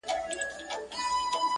خدای راکړي تېزي سترگي غټ منگول دئ!.